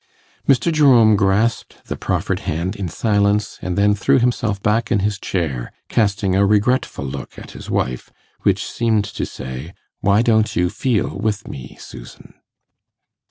Mr. Jerome grasped the proffered hand in silence, and then threw himself back in his chair, casting a regretful look at his wife, which seemed to say, 'Why don't you feel with me, Susan?